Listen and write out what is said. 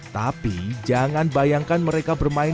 tapi jangan bayangkan mereka bermain